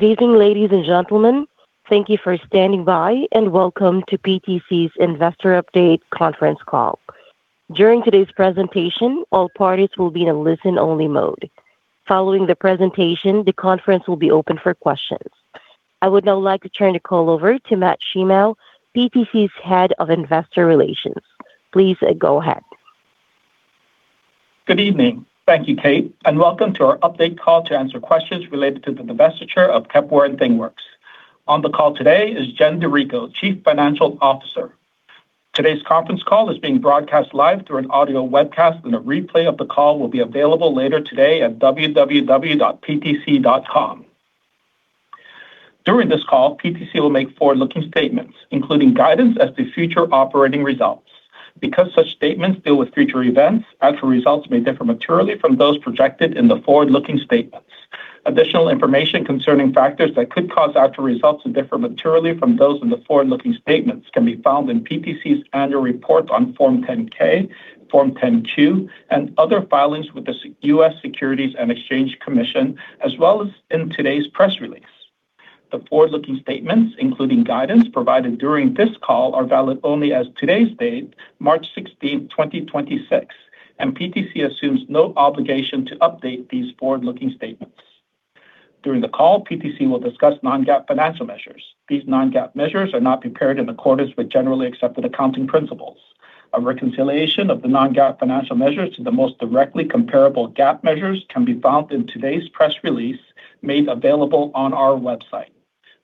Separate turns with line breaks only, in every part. Good evening, ladies and gentlemen. Thank you for standing by, and welcome to PTC's Investor Update conference call. During today's presentation, all parties will be in a listen-only mode. Following the presentation, the conference will be open for questions. I would now like to turn the call over to Matt Shimao, PTC's Head of Investor Relations. Please, go ahead.
Good evening. Thank you, Kate, and welcome to our update call to answer questions related to the divestiture of Kepware and ThingWorx. On the call today is Jen D'Errico, Chief Financial Officer. Today's conference call is being broadcast live through an audio webcast, and a replay of the call will be available later today at www.ptc.com. During this call, PTC will make forward-looking statements, including guidance as to future operating results. Because such statements deal with future events, actual results may differ materially from those projected in the forward-looking statements. Additional information concerning factors that could cause actual results to differ materially from those in the forward-looking statements can be found in PTC's annual report on Form 10-K, Form 10-Q, and other filings with the U.S. Securities and Exchange Commission, as well as in today's press release. The forward-looking statements, including guidance provided during this call, are valid only as of today's date, March 16, 2026, and PTC assumes no obligation to update these forward-looking statements. During the call, PTC will discuss non-GAAP financial measures. These non-GAAP measures are not prepared in accordance with generally accepted accounting principles. A reconciliation of the non-GAAP financial measures to the most directly comparable GAAP measures can be found in today's press release made available on our website.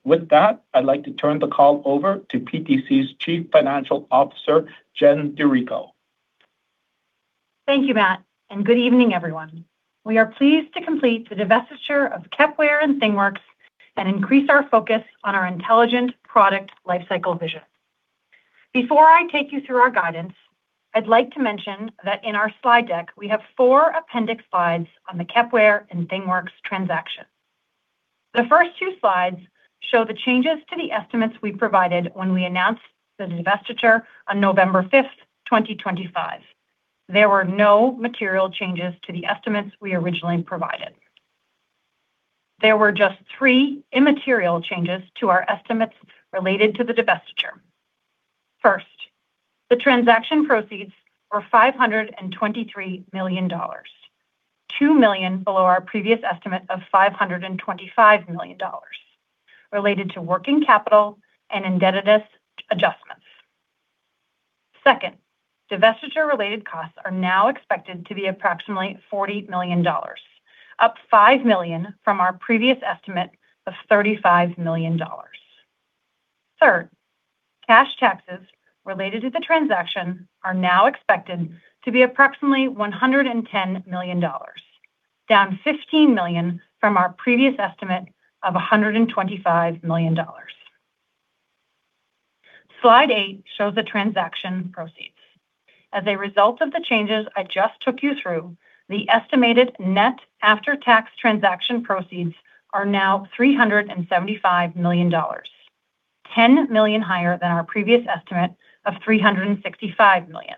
With that, I'd like to turn the call over to PTC's Chief Financial Officer, Jen D'Errico.
Thank you, Matt, and good evening, everyone. We are pleased to complete the divestiture of Kepware and ThingWorx and increase our focus on our intelligent product lifecycle vision. Before I take you through our guidance, I'd like to mention that in our slide deck, we have four appendix slides on the Kepware and ThingWorx transaction. The first two slides show the changes to the estimates we provided when we announced the divestiture on November 5, 2025. There were no material changes to the estimates we originally provided. There were just three immaterial changes to our estimates related to the divestiture. First, the transaction proceeds were $523 million, $2 million below our previous estimate of $525 million, related to working capital and indebtedness adjustments. Second, divestiture related costs are now expected to be approximately $40 million, up $5 million from our previous estimate of $35 million. Third, cash taxes related to the transaction are now expected to be approximately $110 million, down $15 million from our previous estimate of $125 million. Slide 8 shows the transaction proceeds. As a result of the changes I just took you through, the estimated net after-tax transaction proceeds are now $375 million, $10 million higher than our previous estimate of $365 million.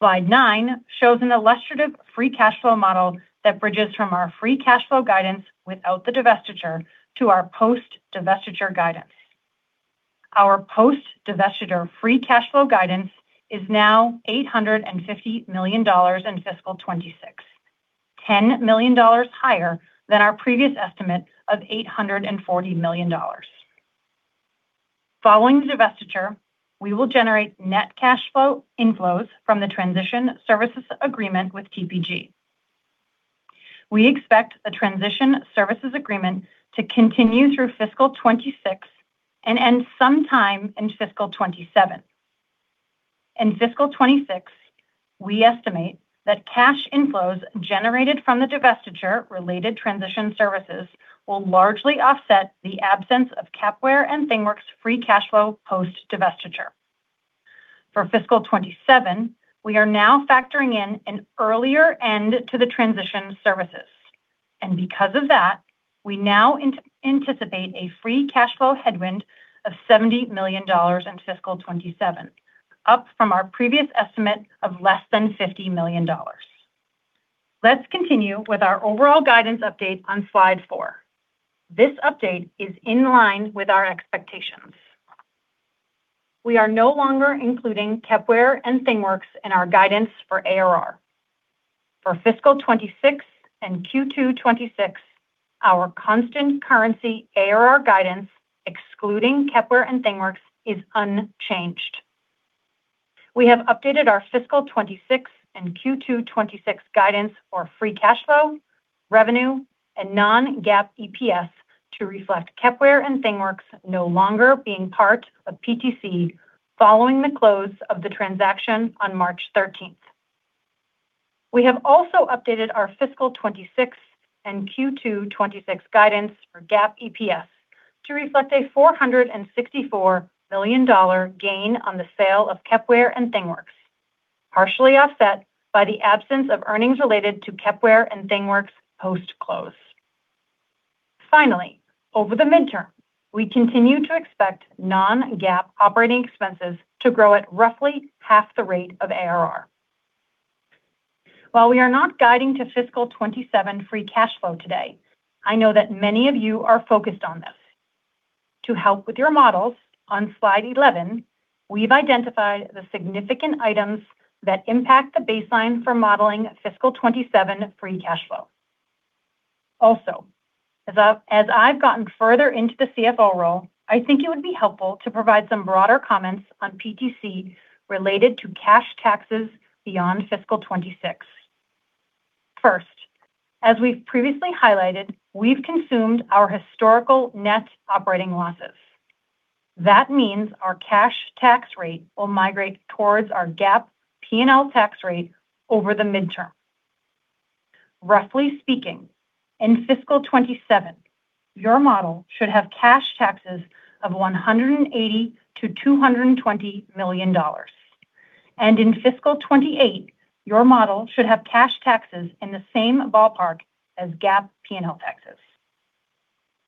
Slide 9 shows an illustrative Free Cash Flow model that bridges from our Free Cash Flow guidance without the divestiture to our post-divestiture guidance. Our post-divestiture Free Cash Flow guidance is now $850 million in fiscal 2026, $10 million higher than our previous estimate of $840 million. Following the divestiture, we will generate net cash flow inflows from the transition services agreement with TPG Inc. We expect the transition services agreement to continue through fiscal 2026 and end sometime in fiscal 2027. In fiscal 2026, we estimate that cash inflows generated from the divestiture-related transition services will largely offset the absence of Kepware and ThingWorx Free Cash Flow post divestiture. For fiscal 2027, we are now factoring in an earlier end to the transition services, and because of that, we now anticipate a Free Cash Flow headwind of $70 million in fiscal 2027, up from our previous estimate of less than $50 million. Let's continue with our overall guidance update on Slide 4. This update is in line with our expectations. We are no longer including Kepware and ThingWorx in our guidance for ARR. For fiscal 2026 and Q2 2026, our constant currency ARR guidance, excluding Kepware and ThingWorx, is unchanged. We have updated our fiscal 2026 and Q2 2026 guidance for Free Cash Flow, revenue, and non-GAAP EPS to reflect Kepware and ThingWorx no longer being part of PTC following the close of the transaction on March 13. We have also updated our fiscal 2026 and Q2 2026 guidance for GAAP EPS to reflect a $464 million gain on the sale of Kepware and ThingWorx, partially offset by the absence of earnings related to Kepware and ThingWorx post-close. Finally, over the midterm, we continue to expect non-GAAP operating expenses to grow at roughly half the rate of ARR. While we are not guiding to fiscal 2027 Free Cash Flow today, I know that many of you are focused on this. To help with your models, on Slide 11, we've identified the significant items that impact the baseline for modeling fiscal 2027 Free Cash Flow. Also, as I've gotten further into the CFO role, I think it would be helpful to provide some broader comments on PTC related to cash taxes beyond fiscal 2026. First, as we've previously highlighted, we've consumed our historical net operating losses. That means our cash tax rate will migrate towards our GAAP P&L tax rate over the midterm. Roughly speaking, in fiscal 2027, your model should have cash taxes of $180 million-$220 million. In fiscal 2028, your model should have cash taxes in the same ballpark as GAAP P&L taxes.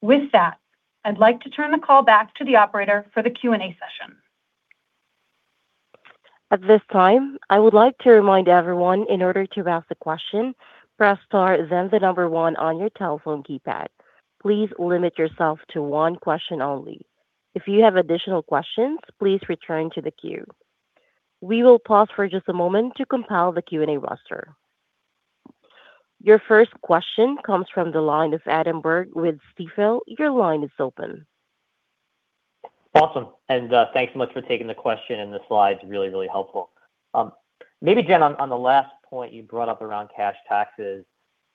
With that, I'd like to turn the call back to the operator for the Q&A session.
At this time, I would like to remind everyone in order to ask a question, press star then the number one on your telephone keypad. Please limit yourself to one question only. If you have additional questions, please return to the queue. We will pause for just a moment to compile the Q&A roster. Your first question comes from the line of Adam Borg with Stifel. Your line is open.
Awesome. Thanks so much for taking the question, and the slide's really, really helpful. Maybe, Jen, on the last point you brought up around cash taxes,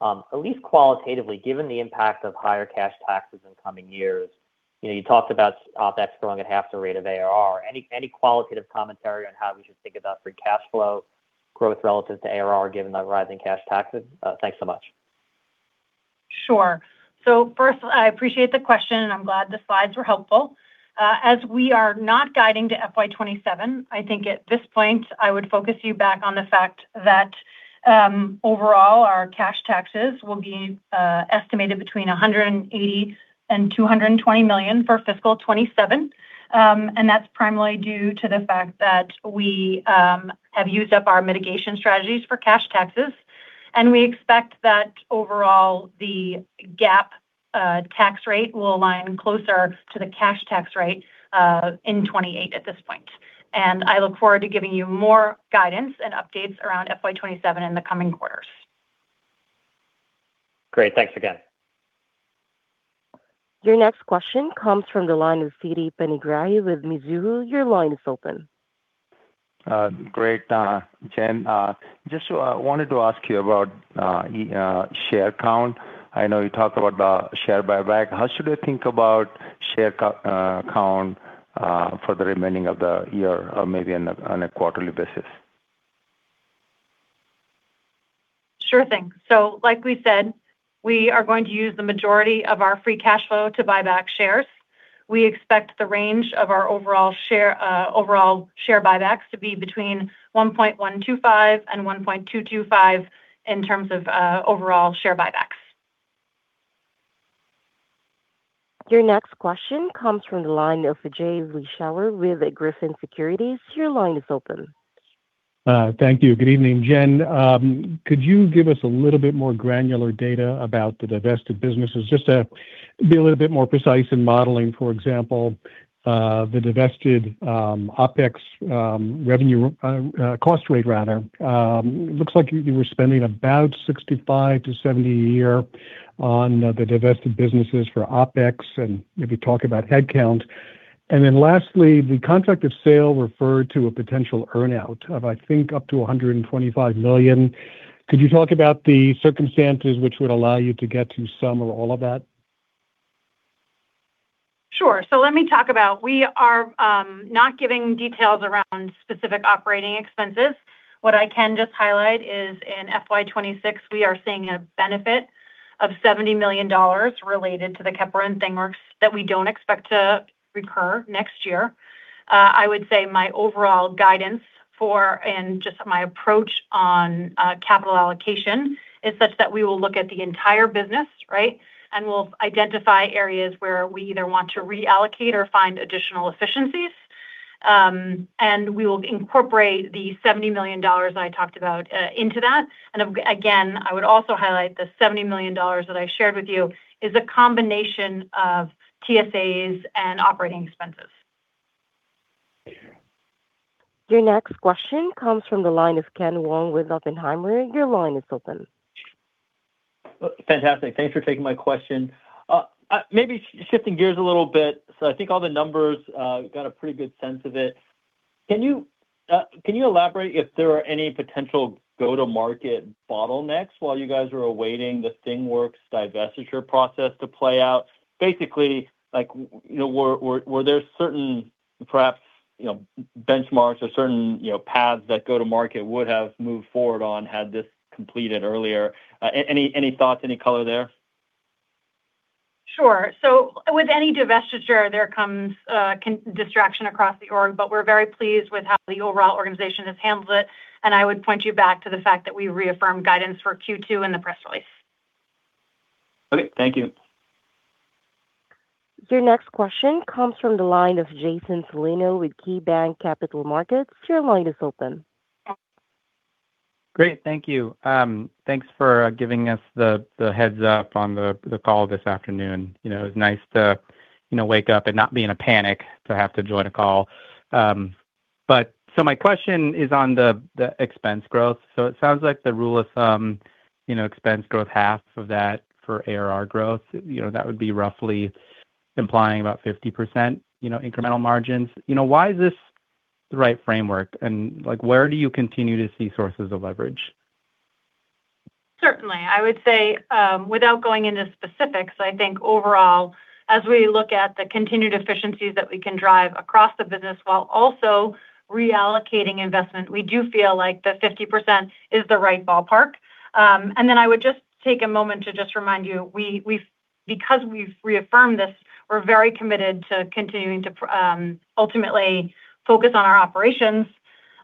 at least qualitatively, given the impact of higher cash taxes in coming years, you know, you talked about OpEx growing at half the rate of ARR. Any qualitative commentary on how we should think about Free Cash Flow growth relative to ARR given the rising cash taxes? Thanks so much.
Sure. First, I appreciate the question, and I'm glad the slides were helpful. As we are not guiding to FY 2027, I think at this point I would focus you back on the fact that, overall, our cash taxes will be estimated between $180 million and $220 million for fiscal 2027. And that's primarily due to the fact that we have used up our mitigation strategies for cash taxes, and we expect that overall, the GAAP tax rate will align closer to the cash tax rate in 2028 at this point. I look forward to giving you more guidance and updates around FY 2027 in the coming quarters.
Great. Thanks again.
Your next question comes from the line of Siti Panigrahi with Mizuho. Your line is open.
Great, Jen. Just wanted to ask you about share count. I know you talked about the share buyback. How should I think about share count for the remainder of the year or maybe on a quarterly basis?
Sure thing. Like we said, we are going to use the majority of our Free Cash Flow to buy back shares. We expect the range of our overall share buybacks to be between $1.125 and $1.225 in terms of overall share buybacks.
Your next question comes from the line of Jay Vleeschhouwer with Griffin Securities. Your line is open.
Thank you. Good evening, Jen. Could you give us a little bit more granular data about the divested businesses, just to be a little bit more precise in modeling, for example, the divested OpEx revenue cost rate rather? Looks like you were spending about $65 million-$70 million a year on the divested businesses for OpEx, and maybe talk about headcount. Lastly, the contract of sale referred to a potential earn-out of, I think, up to $125 million. Could you talk about the circumstances which would allow you to get to some or all of that?
Sure. Let me talk about. We are not giving details around specific operating expenses. What I can just highlight is in FY 2026, we are seeing a benefit of $70 million related to the Kepware and ThingWorx that we don't expect to recur next year. I would say my overall guidance for and just my approach on capital allocation is such that we will look at the entire business, right? We'll identify areas where we either want to reallocate or find additional efficiencies. We will incorporate the $70 million I talked about into that. Again, I would also highlight the $70 million that I shared with you is a combination of TSA and operating expenses.
Thank you.
Your next question comes from the line of Ken Wong with Oppenheimer. Your line is open.
Fantastic. Thanks for taking my question. Maybe shifting gears a little bit. I think all the numbers got a pretty good sense of it. Can you elaborate if there are any potential go-to-market bottlenecks while you guys are awaiting the ThingWorx divestiture process to play out? Basically, like, you know, were there certain, perhaps, you know, benchmarks or certain, you know, paths that go to market would have moved forward on had this completed earlier? Any thoughts, any color there?
Sure. With any divestiture, there comes distraction across the org, but we're very pleased with how the overall organization has handled it, and I would point you back to the fact that we reaffirmed guidance for Q2 in the press release.
Okay. Thank you.
Your next question comes from the line of Jason Celino with KeyBanc Capital Markets. Your line is open.
Great. Thank you. Thanks for giving us the heads-up on the call this afternoon. You know, it was nice to, you know, wake up and not be in a panic to have to join a call. My question is on the expense growth. It sounds like the rule of thumb, you know, expense growth half of that for ARR growth, you know, that would be roughly implying about 50% incremental margins. You know, why is this the right framework? Like, where do you continue to see sources of leverage?
Certainly. I would say, without going into specifics, I think overall, as we look at the continued efficiencies that we can drive across the business while also reallocating investment, we do feel like the 50% is the right ballpark. I would just take a moment to just remind you, because we've reaffirmed this, we're very committed to continuing to ultimately focus on our operations,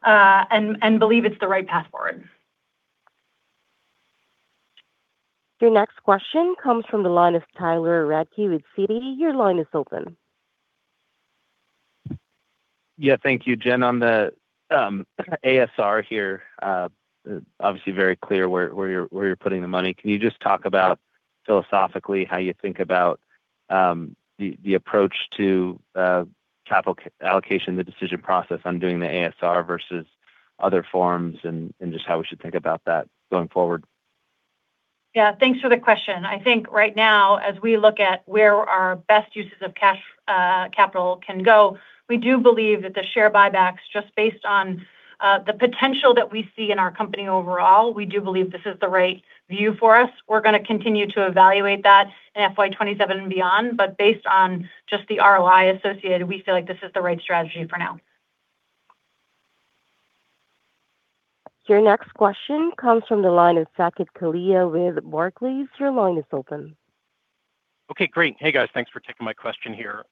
and believe it's the right path forward.
Your next question comes from the line of Tyler Radke with Citi. Your line is open.
Yeah. Thank you, Jen. On the ASR here, obviously very clear where you're putting the money. Can you just talk about philosophically how you think about the approach to capital allocation, the decision process on doing the ASR versus other forms and just how we should think about that going forward?
Yeah. Thanks for the question. I think right now, as we look at where our best uses of cash, capital can go, we do believe that the share buybacks, just based on, the potential that we see in our company overall, we do believe this is the right move for us. We're gonna continue to evaluate that in FY 2027 and beyond, but based on just the ROI associated, we feel like this is the right strategy for now.
Your next question comes from the line of Saket Kalia with Barclays. Your line is open.
Okay, great. Hey, guys, thanks for taking my question here.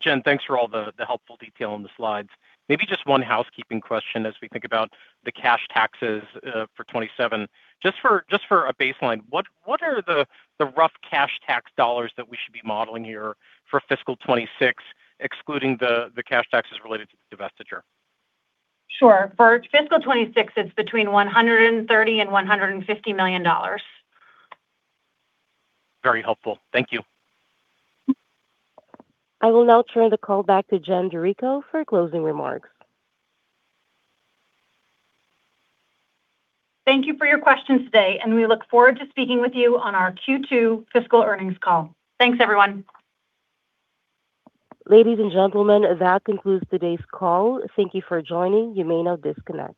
Jen, thanks for all the helpful detail on the slides. Maybe just one housekeeping question as we think about the cash taxes for 2027. Just for a baseline, what are the rough cash tax dollars that we should be modeling here for fiscal 2026, excluding the cash taxes related to the divestiture?
Sure. For fiscal 2026, it's between $130 million and $150 million.
Very helpful. Thank you.
I will now turn the call back to Jen D'Errico for closing remarks.
Thank you for your questions today, and we look forward to speaking with you on our Q2 fiscal earnings call. Thanks, everyone.
Ladies and gentlemen, that concludes today's call. Thank you for joining. You may now disconnect.